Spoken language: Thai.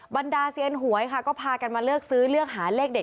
บรรดาเซียนหวยค่ะก็พากันมาเลือกซื้อเลือกหาเลขเด็ด